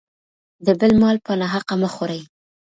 د بل مال په ناحقه مه خورئ.